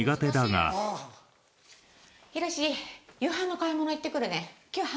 ヒロシ夕飯の買い物行ってくるね。